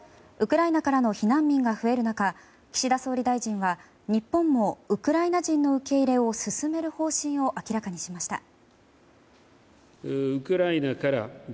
ウクライナからの避難民が増える中岸田総理大臣は日本もウクライナ人の受け入れを進める方針を明らかにしました。